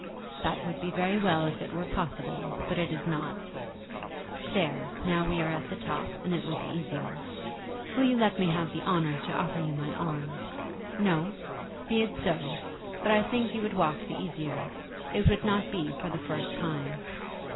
"That would be very well if it were possible; but it is not. There; now we are at the top, and it will be easier. Will you let me have the honour to offer you my arm? No! Be it so; but I think you would walk the easier. It would not be for the first time."